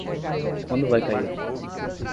Quando vai cair?